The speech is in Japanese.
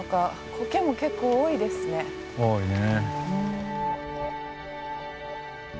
多いね。